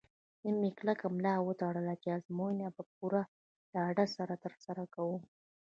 نن مې کلکه ملا وتړله چې ازموینې به په پوره ډاډ سره ترسره کوم.